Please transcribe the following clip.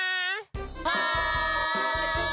はい！